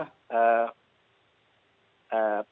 pemilih yang tidak terdaftar